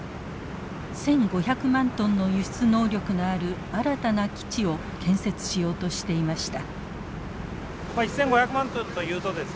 １，５００万トンの輸出能力のある新たな基地を建設しようとしていました。